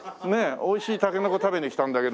おいしいタケノコ食べに来たんだけど。